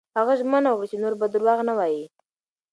هغه ژمنه وکړه چې نور به درواغ نه وايي.